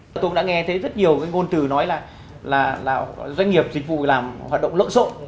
tôi cũng đã nghe thấy rất nhiều cái ngôn từ nói là doanh nghiệp dịch vụ làm hoạt động lộn xộn